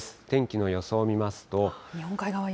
天気の予想を見ますと。